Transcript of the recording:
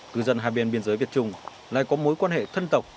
cư dân hai bên biên giới việt trung lại có mối quan hệ thân tộc